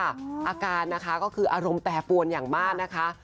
อาการนะคะก็คืออารมณ์แปรปวนอย่างมากนะคะ